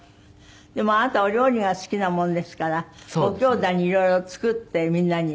でもあなたお料理が好きなものですからごきょうだいに色々作ってみんなに。